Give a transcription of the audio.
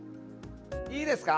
いいですか。